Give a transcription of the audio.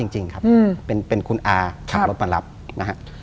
จริงครับเป็นคุณอาขับรถมารับนะฮะ